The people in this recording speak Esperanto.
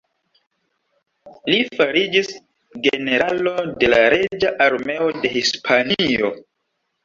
Li fariĝis generalo de la reĝa armeo de Hispanio.